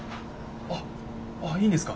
あっいいんですか。